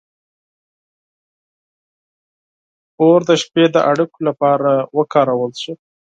• اور د شپې د اړیکو لپاره وکارول شو.